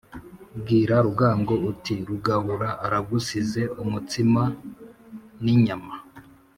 Bwira rugango, uti Rugahura aragusize-Umutsima n'inyama.